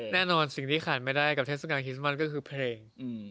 แน่นอนสิ่งที่ขาดไม่ได้กับเทศกาลคิสมันก็คือเพลง